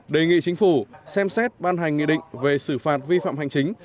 đề nghị chính phủ xem xét ban hành nghị định về xử phạt vi phạm hành chính